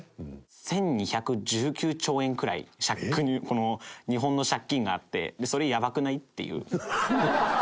１２１９兆円くらい日本の借金があってそれやばくない？っていう。